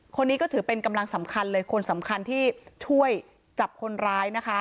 คนนี้ก็ถือเป็นกำลังสำคัญเลยคนสำคัญที่ช่วยจับคนร้ายนะคะ